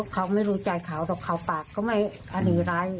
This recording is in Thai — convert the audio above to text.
เขาไม่รู้ใจเขาแต่เขาปากก็ไม่อันดีร้าย